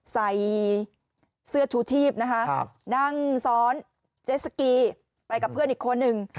ใส่เสื้อชูชีพนะคะนั่งซ้อนเจสสกีไปกับเพื่อนอีกคนนึง